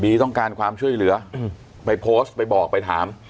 ต้องการความช่วยเหลือไปโพสต์ไปบอกไปถาม